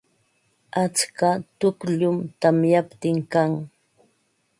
Atska tukllum tamyaptin kan.